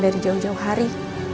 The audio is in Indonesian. dari jauh jauh hari